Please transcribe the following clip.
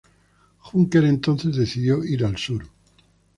Junker entonces decidió ir al sur.